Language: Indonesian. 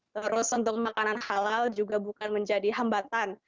terus untuk makanan halal juga bukan menjadi hambatan